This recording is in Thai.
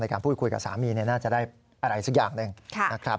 การพูดคุยกับสามีน่าจะได้อะไรสักอย่างหนึ่งนะครับ